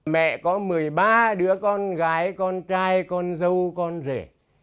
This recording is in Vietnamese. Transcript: mẹ có một mươi ba đứa con gái con trai con dâu con rể